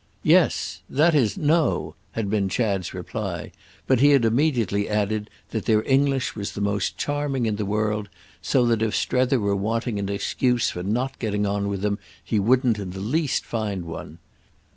"Yes. That is no!" had been Chad's reply; but he had immediately added that their English was the most charming in the world, so that if Strether were wanting an excuse for not getting on with them he wouldn't in the least find one.